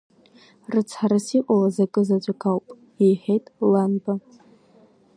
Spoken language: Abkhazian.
Рыцҳарас иҟалаз акызаҵәык ауп, – иҳәеит Ланба.